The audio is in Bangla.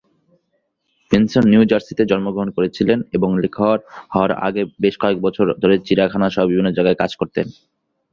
বেনসন নিউ জার্সিতে জন্মগ্রহণ করেছিলেন, এবং লেখক হওয়ার আগে বেশ কয়েক বছর ধরে চিড়িয়াখানা সহ বিভিন্ন জায়গায় কাজ করতেন।